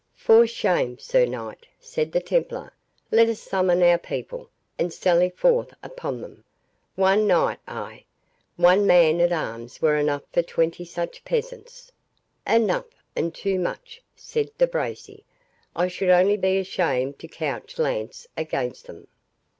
"For shame, Sir Knight!" said the Templar. "Let us summon our people, and sally forth upon them. One knight—ay, one man at arms, were enough for twenty such peasants." "Enough, and too much," said De Bracy; "I should only be ashamed to couch lance against them."